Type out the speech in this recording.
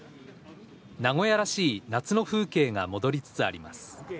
名古屋らしい夏の風景が戻りつつあります。